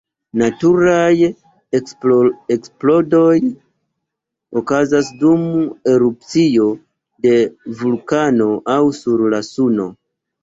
Naturaj eksplodoj okazas dum erupcio de vulkano aŭ sur la Suno.